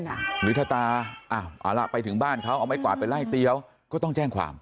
หรือถ้าตาเอาล่ะไปถึงบ้านเขาเอาไม้กวาดไปไล่เตี๊ยวก็ต้องแจ้งความ